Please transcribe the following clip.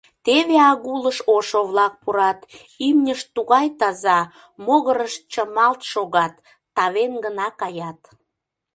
Теве агулыш ошо-влак пурат — имньышт тугай таза, могырышт чымалт шога, тавен гына каят.